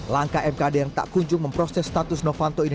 langkah mkd yang tak kunjung memproses status novanto ini